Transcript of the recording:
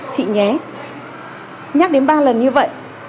chị nhé nhắc đến ba lần như vậy